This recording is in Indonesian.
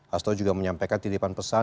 hasto juga menyampaikan titipan pesan